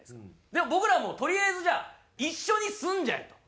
でも僕らはもうとりあえずじゃあ一緒に住んじゃえと。